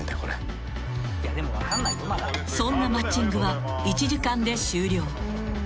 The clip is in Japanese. ［そんなマッチングは１時間で終了］